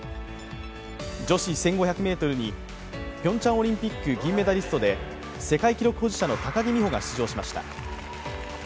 女子１５００ｍにピョンチャンオリンピック銀メダリスト世界記録保持者の高木美帆が出場しました。